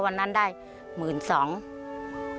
วันนั้นได้๑๒๐๐บาท